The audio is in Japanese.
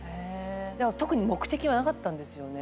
だから特に目的はなかったんですよね。